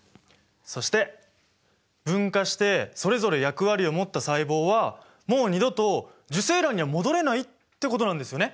そして分化してそれぞれ役割を持った細胞はもう二度と受精卵には戻れないってことなんですよね？